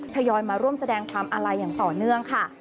ทยอยมาร่วมแสดงความอาลัยอย่างต่อเนื่องค่ะ